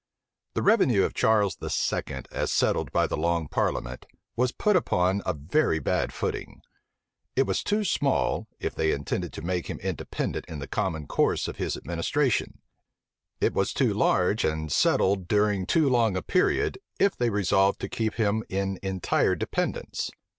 The revenue of Charles II., as settled by the long parliament, was put upon a very bad footing. It was too small, if they intended to make him independent in the common course of his administration: it was too large, and settled during too long a period, if they resolved to keep him in entire dependence.